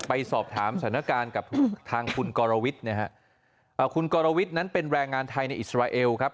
ไปสอบถามสถานการณ์กับทางคุณกรวิทย์นะฮะคุณกรวิทย์นั้นเป็นแรงงานไทยในอิสราเอลครับ